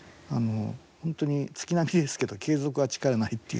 本当に、月並みですけど継続は力なりっていうかね。